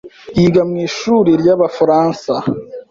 yiga mu ishuri ry’Abafaransa.